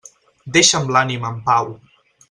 Deixa'm l'ànima en pau.